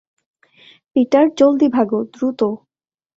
Peter, জলদি ভাগো, দ্রুত!